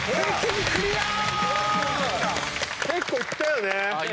結構いったよね。